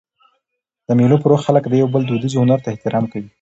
د مېلو پر وخت خلک د یو بل دودیز هنر ته احترام کوي.